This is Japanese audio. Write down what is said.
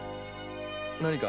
何か？